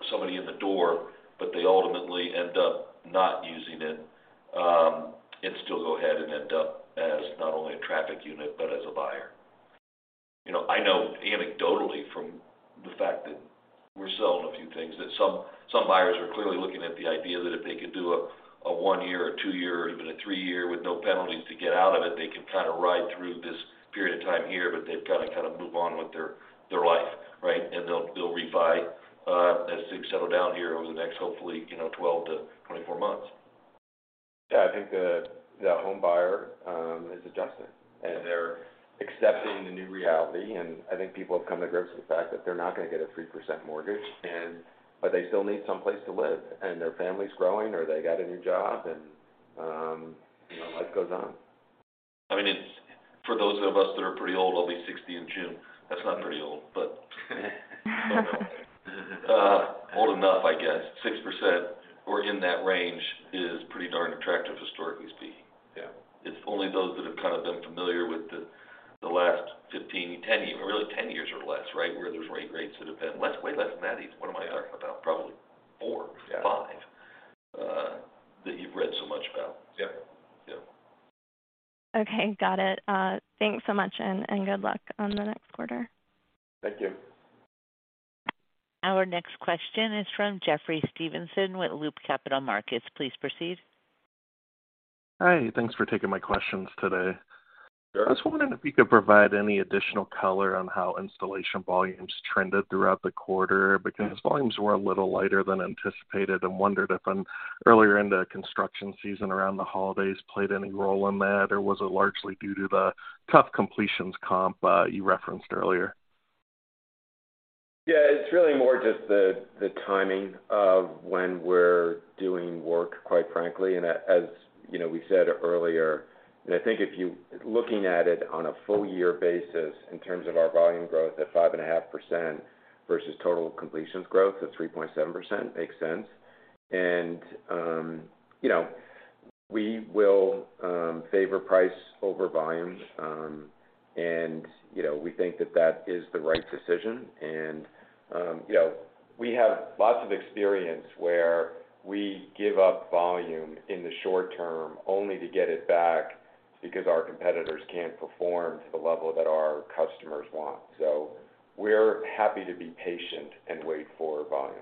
somebody in the door, but they ultimately end up not using it, and still go ahead and end up as not only a traffic unit but as a buyer. You know, I know anecdotally from the fact that we're selling a few things, that some buyers are clearly looking at the idea that if they could do a one year or two year, even a three year with no penalties to get out of it, they can kind of ride through this period of time here, but they've got to kind of move on with their life, right? They'll rebuy as things settle down here over the next, hopefully, you know, 12 to 24 months. Yeah, I think the homebuyer, is adjusting and they're accepting the new reality. I think people have come to grips with the fact that they're not going to get a 3% mortgage. They still need someplace to live and their family's growing, or they got a new job and, you know, life goes on. I mean, it's for those of us that are pretty old, I'll be 60 in June. That's not pretty old, but old enough, I guess. 6% or in that range is pretty darn attractive, historically speaking. Yeah. It's only those that have kind of been familiar with the last 15, 10 years, or really 10 years or less, right? Where there's rates that have been way less than that. What am I talking about? Probably 4. Yeah. 5, that you've read so much about. Yeah. Yeah. Okay, got it. Thanks so much and good luck on the next quarter. Thank you. Our next question is from Jeffrey Stevenson with Loop Capital Markets. Please proceed. Hi. Thanks for taking my questions today. Sure. I was wondering if you could provide any additional color on how installation volumes trended throughout the quarter, because volumes were a little lighter than anticipated and wondered if earlier in the construction season around the holidays played any role in that, or was it largely due to the tough completions comp you referenced earlier? Yeah, it's really more just the timing of when we're doing work, quite frankly. As you know, we said earlier, and I think if you looking at it on a full year basis in terms of our volume growth at 5.5% versus total completions growth of 3.7% makes sense. You know, we will favor price over volume. You know, we think that that is the right decision. You know, we have lots of experience where we give up volume in the short term only to get it back because our competitors can't perform to the level that our customers want. We're happy to be patient and wait for volume.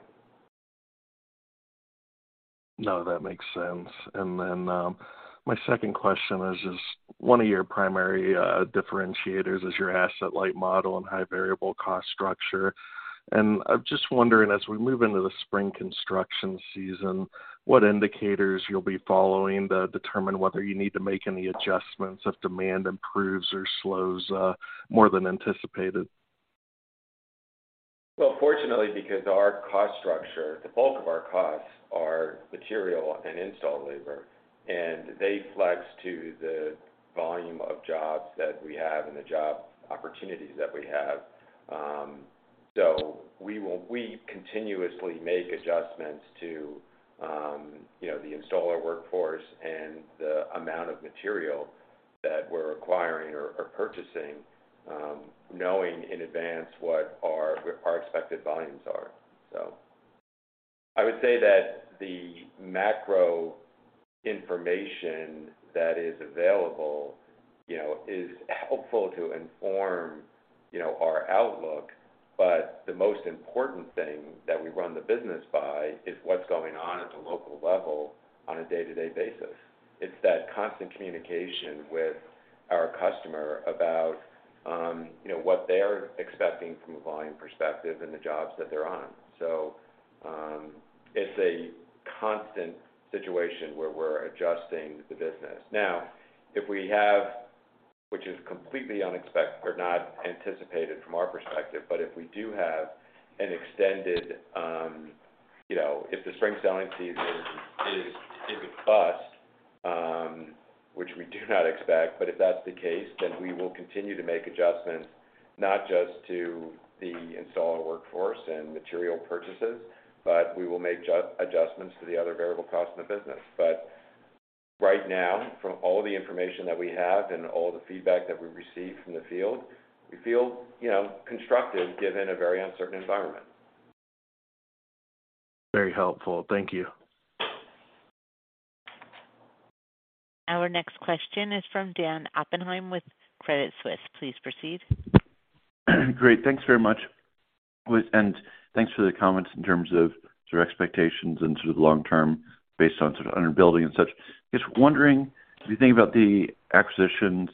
No, that makes sense. My second question is just one of your primary differentiators is your asset light model and high variable cost structure. I'm just wondering, as we move into the spring construction season, what indicators you'll be following to determine whether you need to make any adjustments if demand improves or slows more than anticipated? Fortunately, because our cost structure, the bulk of our costs are material and install labor. They flex to the volume of jobs that we have and the job opportunities that we have. We continuously make adjustments to, you know, the installer workforce and the amount of material that we're acquiring or purchasing, knowing in advance what our expected volumes are. I would say that the macro information that is available, you know, is helpful to inform, you know, our outlook. The most important thing that we run the business by is what's going on at the local level on a day-to-day basis. It's that constant communication with our customer about, you know, what they're expecting from a volume perspective and the jobs that they're on. It's a constant situation where we're adjusting the business. If we have, which is completely unexpected or not anticipated from our perspective, but if we do have an extended, you know, if the spring selling season is a bust, which we do not expect, but if that's the case, then we will continue to make adjustments not just to the installer workforce and material purchases, but we will make adjustments to the other variable costs in the business. Right now, from all the information that we have and all the feedback that we've received from the field, we feel, you know, constructive given a very uncertain environment. Very helpful. Thank you. Our next question is from Dan Oppenheim with Credit Suisse. Please proceed. Great. Thanks very much. Thanks for the comments in terms of your expectations into the long term based on sort of under building and such. Just wondering, as you think about the acquisitions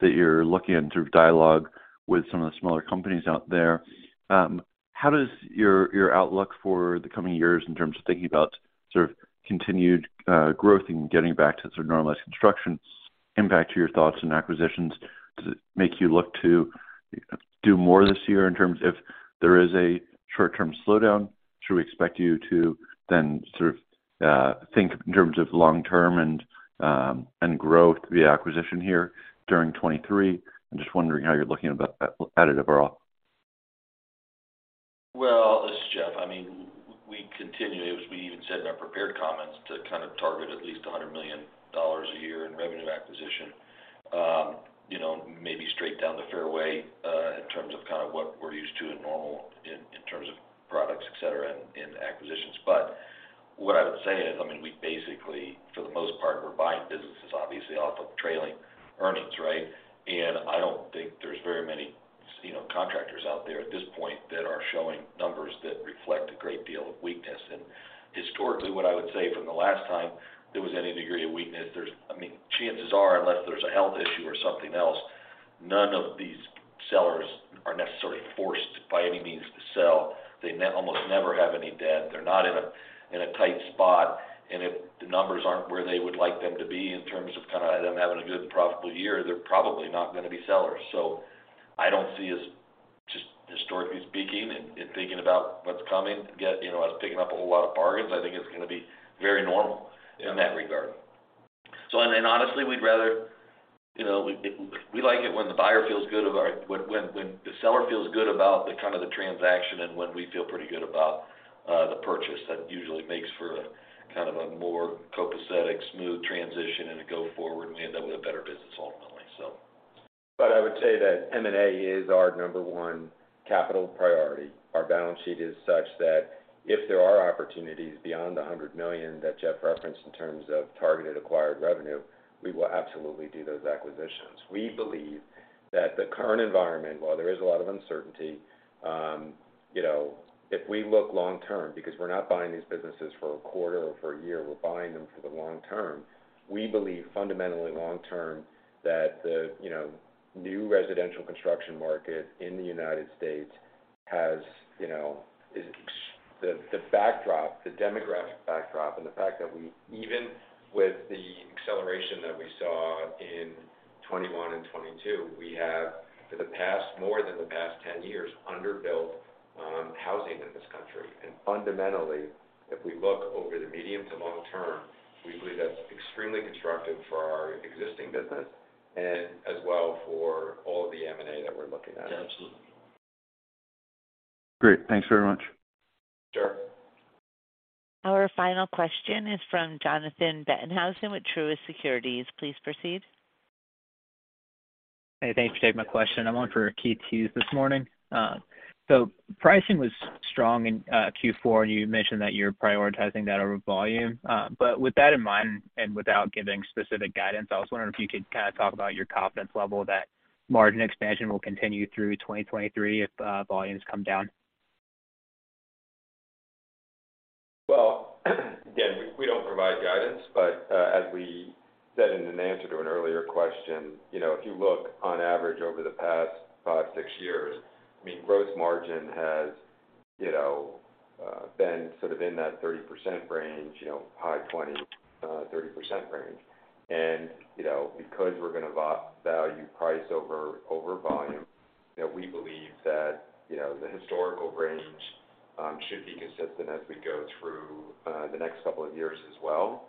that you're looking at through dialogue with some of the smaller companies out there, how does your outlook for the coming years in terms of thinking about sort of continued growth and getting back to sort of normalized construction impact to your thoughts and acquisitions? Does it make you look to do more this year in terms of if there is a short-term slowdown, should we expect you to then sort of think in terms of long-term and growth via acquisition here during 2023? I'm just wondering how you're looking at it overall. Well, this is Jeff. I mean, we continue, as we even said in our prepared comments, to kind of target at least $100 million a year in revenue acquisition. You know, maybe straight down the fairway, in terms of kind of what we're used to in normal in terms of products, et cetera, and acquisitions. What I would say is, I mean, we basically, for the most part, we're buying businesses obviously off of trailing earnings, right? I don't think there's very many, you know, contractors out there at this point that are showing numbers that reflect a great deal of weakness. Historically, what I would say from the last time there was any degree of weakness, there's, I mean, chances are, unless there's a health issue or something else, none of these sellers are necessarily forced by any means to sell. They almost never have any debt. They're not in a tight spot. If the numbers aren't where they would like them to be in terms of kind of them having a good profitable year, they're probably not gonna be sellers. I don't see us, just historically speaking and thinking about what's coming, you know, picking up a whole lot of bargains. I think it's gonna be very normal in that regard. Honestly, we'd rather, you know, we like it when the buyer feels good about when the seller feels good about the kind of the transaction and when we feel pretty good about the purchase. That usually makes for kind of a more copacetic, smooth transition and a go forward, and we end up with a better business ultimately, so. I would say that M&A is our number one capital priority. Our balance sheet is such that if there are opportunities beyond the $100 million that Jeff referenced in terms of targeted acquired revenue, we will absolutely do those acquisitions. We believe that the current environment, while there is a lot of uncertainty, you know, if we look long-term, because we're not buying these businesses for a quarter or for a year, we're buying them for the long term. We believe fundamentally long-term that the, you know, new residential construction market in the United States has, you know, is the backdrop, the demographic backdrop, and the fact that we, even with the acceleration that we saw in 2021 and 2022, we have for the past, more than the past 10 years, underbuilt, housing in this country. Fundamentally, if we look over the medium to long-term, we believe that's extremely constructive for our existing business and as well for all of the M&A that we're looking at. Yeah, absolutely. Great. Thanks very much. Sure. Our final question is from Jonathan Bettenhausen with Truist Securities. Please proceed. Hey, thanks for taking my question. I'm on for Keith Hughes this morning. Pricing was strong in Q4, and you mentioned that you're prioritizing that over volume. With that in mind and without giving specific guidance, I was wondering if you could kinda talk about your confidence level that margin expansion will continue through 2023 if volumes come down. Again, we don't provide guidance, as we said in an answer to an earlier question, you know, if you look on average over the past 5-6 years, I mean, gross margin has, you know, been sort of in that 30% range, you know, high 20%-30% range. You know, because we're gonna value price over volume, you know, we believe that, you know, the historical range should be consistent as we go through the next couple of years as well.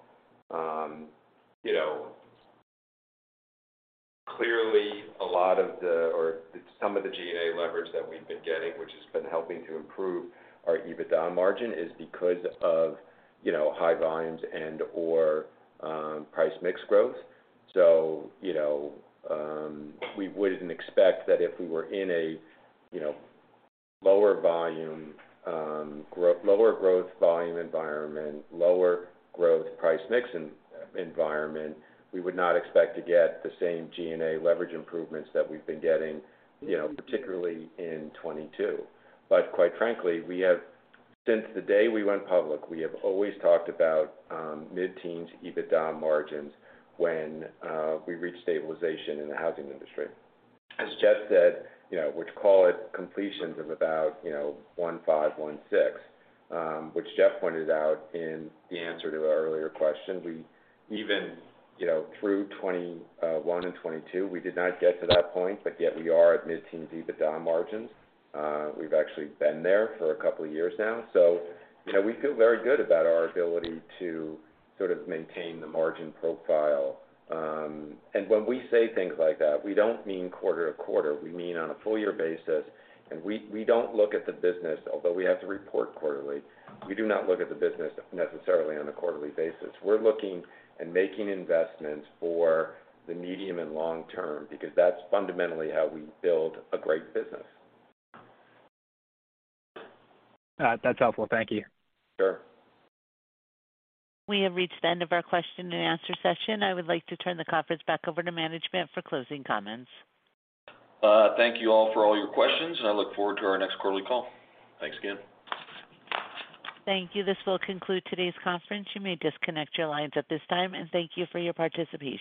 You know, clearly a lot of the or some of the G&A leverage that we've been getting, which has been helping to improve our EBITDA margin, is because of, you know, high volumes and/or price mix growth. You know, we wouldn't expect that if we were in a, you know, lower volume, lower growth volume environment, lower growth price mix environment, we would not expect to get the same G&A leverage improvements that we've been getting, you know, particularly in 2022. Quite frankly, since the day we went public, we have always talked about mid-teens EBITDA margins when we reach stabilization in the housing industry. As Jeff said, you know, which call it completions of about, you know, 1.5, 1.6, which Jeff pointed out in the answer to an earlier question. We even, you know, through 2021 and 2022, we did not get to that point, but yet we are at mid-teen EBITDA margins. We've actually been there for a couple of years now. you know, we feel very good about our ability to sort of maintain the margin profile. When we say things like that, we don't mean quarter to quarter, we mean on a full year basis. We don't look at the business, although we have to report quarterly, we do not look at the business necessarily on a quarterly basis. We're looking and making investments for the medium and long-term because that's fundamentally how we build a great business. That's helpful. Thank you. Sure. We have reached the end of our question and answer session. I would like to turn the conference back over to management for closing comments. Thank you all for all your questions, and I look forward to our next quarterly call. Thanks again. Thank you. This will conclude today's conference. You may disconnect your lines at this time, and thank you for your participation.